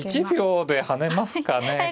１秒で跳ねますかね